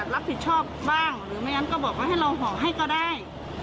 รับผิดชอบบ้างหรือไม่งั้นก็บอกว่าให้เราห่อให้ก็ได้